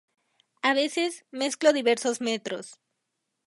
A veces, mezcló diversos metros.